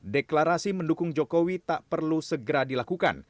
deklarasi mendukung jokowi tak perlu segera dilakukan